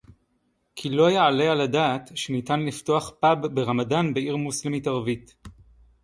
כי לא יעלה על הדעת שניתן לפתוח פאב ברמדאן בעיר מוסלמית ערבית